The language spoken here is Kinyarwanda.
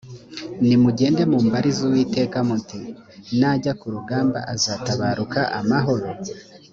nimugende mumbarize uwiteka muti : najya kurugamba azatabaruka amahoro?